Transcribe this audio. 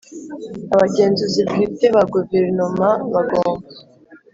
Abagenzuzi bwite ba Guverinoma bagomba